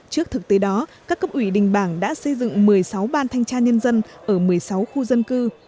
trước thực tế đó các cấp ủy đình bảng đã xây dựng một mươi sáu ban thanh tra nhân dân ở một mươi sáu khu dân cư